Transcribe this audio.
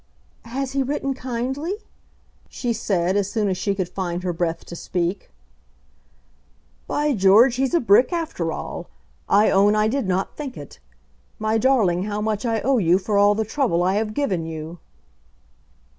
"Has he written kindly?" she said, as soon as she could find her breath to speak. "By George, he's a brick after all. I own I did not think it. My darling, how much I owe you for all the trouble I have given you."